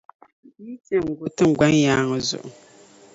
Yi yi ti yɛn go tiŋgbani yaaŋa zuɣu.